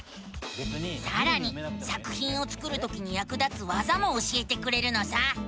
さらに作ひんを作るときにやく立つわざも教えてくれるのさ！